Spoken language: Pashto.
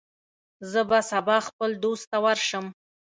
زه به سبا خپل دوست ته ورشم.